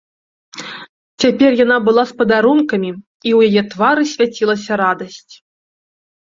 Цяпер яна была з падарункамі, і ў яе твары свяцілася радасць.